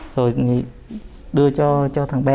rồi đưa cho thằng b